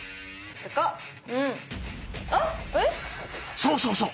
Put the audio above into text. そうそうそう！